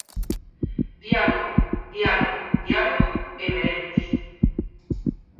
Diálogo, diálogo, diálogo, e veremos.